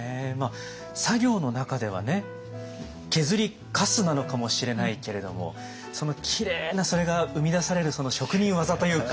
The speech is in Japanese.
作業の中では削りかすなのかもしれないけれどもきれいなそれが生み出されるその職人技というか。